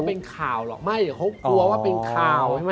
ก็เป็นข่าวหรอกไม่เขากลัวว่าเป็นข่าว